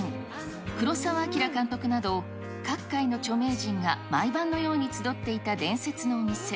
八千草薫さんや三島由紀夫さん、黒澤明監督など、各界の著名人が毎晩のように集っていた伝説のお店。